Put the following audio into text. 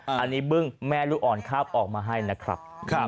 อันนี้บึ้งแม่ลูกอ่อนคาบออกมาให้นะครับ